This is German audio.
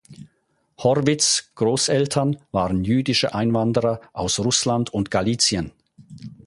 Horvitz’ Großeltern waren jüdische Einwanderer aus Russland und Galizien.